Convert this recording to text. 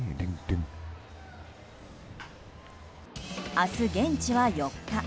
明日現地は４日。